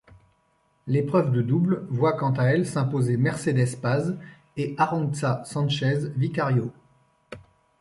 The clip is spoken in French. L'épreuve de double voit quant à elle s'imposer Mercedes Paz et Arantxa Sánchez Vicario.